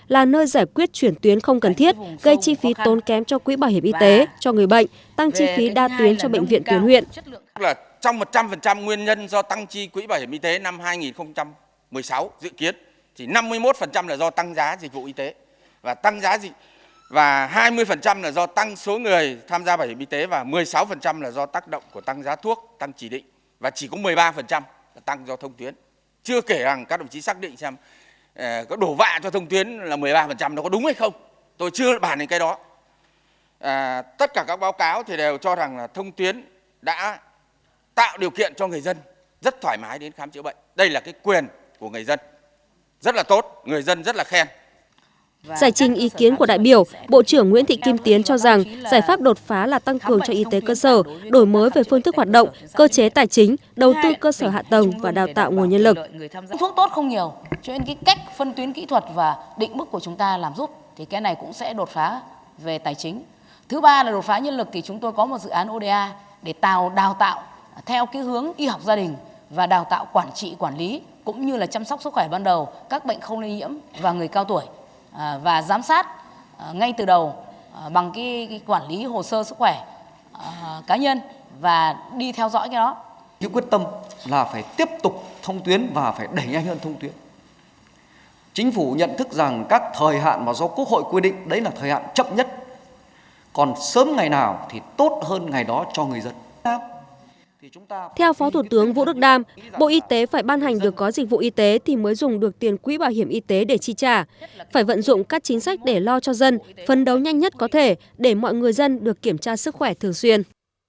là nơi giải quyết chuyển tuyến không cần thiết gây chi phí tốn kém cho quỹ bảo hiểm y tế cho người bệnh tăng chi phí đa tuyến cho bệnh viện tuyến huyện